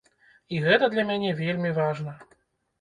І гэта для мяне вельмі важна.